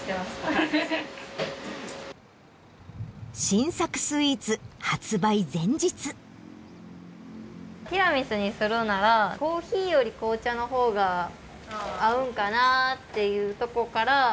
新作スイーツティラミスにするならコーヒーより紅茶の方が合うんかなっていうとこから。